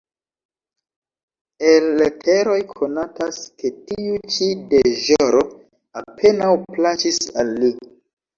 El leteroj konatas ke tiu ĉi deĵoro apenaŭ plaĉis al li.